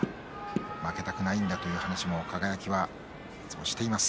負けたくないんだという話を輝は、いつもしています。